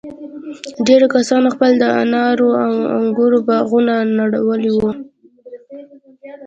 ډېرو کسانو خپل د انارو او انگورو باغونه نړولي وو.